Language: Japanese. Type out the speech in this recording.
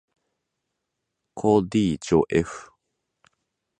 こ ｄ じょ ｆ